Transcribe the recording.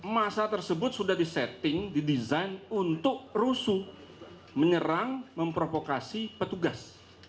masa tersebut sudah disetting didesain untuk rusuh menyerang memprovokasi petugas